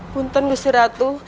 bukan gusti ratu